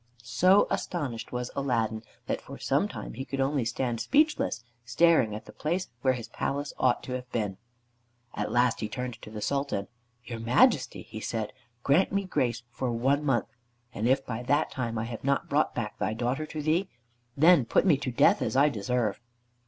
So astonished was Aladdin that for some time he could only stand speechless, staring at the place where his palace ought to have been. At last he turned to the Sultan. "Your Majesty," he said, "grant me grace for one month, and if by that time I have not brought back thy daughter to thee, then put me to death as I deserve."